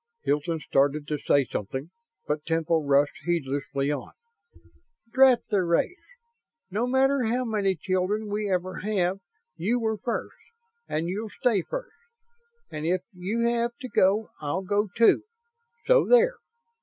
Hilton started to say something, but Temple rushed heedlessly on: "Drat the race! No matter how many children we ever have you were first and you'll stay first, and if you have to go I'll go, too, so there!